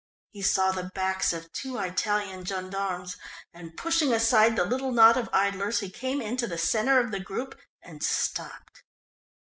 He saw the backs of two Italian gendarmes, and pushing aside the little knot of idlers, he came into the centre of the group and stopped.